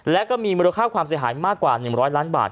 และก็มีมูลค่าความเสียหายมากกว่า๑๐๐ล้านบาท